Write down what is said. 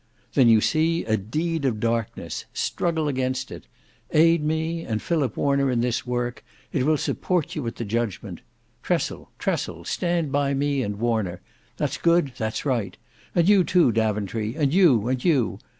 "Then you see a deed of darkness. Struggle against it. Aid me and Philip Warner in this work; it will support you at the judgment. Tressel, Tressel, stand by me and Warner. That's good, that's right! And you too, Daventry, and you, and you.